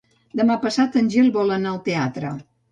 Demà passat en Gil vol anar al teatre.